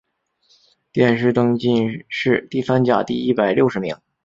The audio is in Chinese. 殿试登进士第三甲第一百六十名。